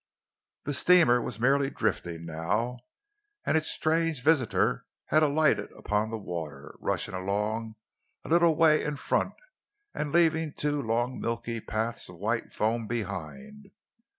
The steamer was merely drifting now, and its strange visitor had alighted upon the water, rushing along a little way in front and leaving two long, milky paths of white foam behind.